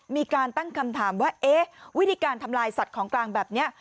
มีการตั้งคำถามว่าเอ๊ะวิธีการทำลายสัตว์ของกลางแบบนี้